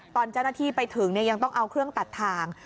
ตอนเจ้าหน้าที่ไปถึงยังต้องเอาเครื่องตัดทาง